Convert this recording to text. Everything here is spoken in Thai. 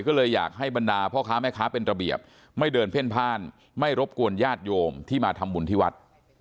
ก็เลยอยากให้บรรดาพ่อค้าแม่ค้าเป็นระเบียบไม่เดินเพ่นพ่านไม่รบกวนญาติโยมที่มาทำบุญที่วัด